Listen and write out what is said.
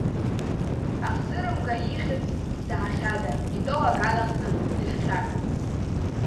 Ахӡырымга ихьӡ заҳахьада, итәоу аган аҟны зыҽхьак.